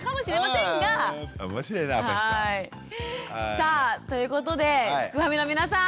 さあということですくファミの皆さん